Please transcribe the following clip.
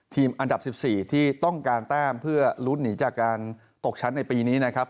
อันดับ๑๔ที่ต้องการแต้มเพื่อลุ้นหนีจากการตกชั้นในปีนี้นะครับ